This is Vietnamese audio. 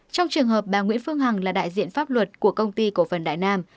trong trường hợp bà nguyễn phương hằng là đại diện pháp luật của công ty cổ phần đại nam